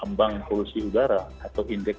apalagi kalau sudah ada peringatan dari pemerintah